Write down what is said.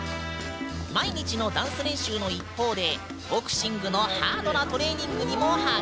毎日のダンス練習の一方でボクシングのハードなトレーニングにも励んでいるんだ。